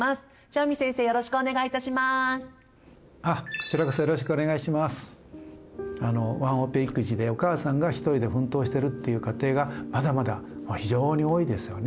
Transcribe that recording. あのワンオペ育児でお母さんが一人で奮闘してるっていう家庭がまだまだ非常に多いですよね。